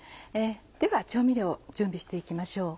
では調味料準備して行きましょう。